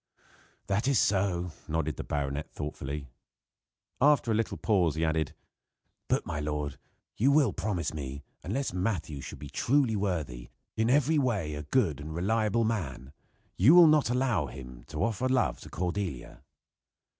"That is so," nodded the baronet thoughtfully. After a little pause he added: "But, my lord, you will promise me, unless Matthew shall be truly worthy in every way a good and reliable man you will not allow him to offer love to Cordelia?"